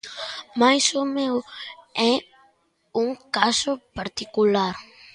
Mais o meu é un caso particular.